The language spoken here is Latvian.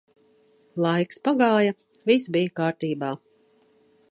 Laiks pagāja, viss bija kārtībā.